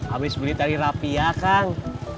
habis beli dari rapia kang